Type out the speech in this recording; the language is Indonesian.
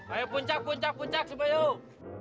ayo puncak puncak puncak sumpah yuk